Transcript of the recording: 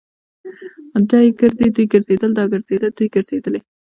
دی ګرځي. دوی ګرځيدل. دا ګرځيده. دوی ګرځېدلې.